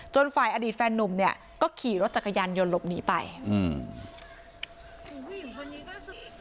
จนฝ่ายอดีตแฟนนุ่มเนี้ยก็ขี่รถจักรยันยนต์หลบหนีไปอืม